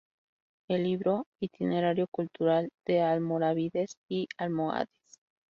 El libro "Itinerario Cultural de Almorávides y Almohades.